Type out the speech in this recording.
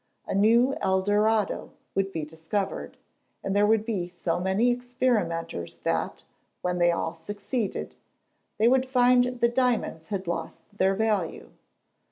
A new Eldorado would be discovered, and there would be so many experimenters that, when they all succeeded, they would find that diamonds had lost their value.